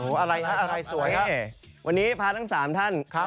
โอ้อะไรเนี่ยสวยครับอันนี้ภาพทั้ง๓ท่านครับ